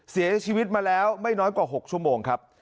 เสียชีวิตมาแล้วไม่น้อยกว่า๖ชั่วโมงครับ